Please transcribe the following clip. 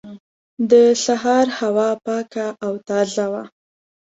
د سهار هوا پاکه او تازه وه.